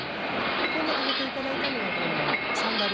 ここに挙げていただいたのはサンダル。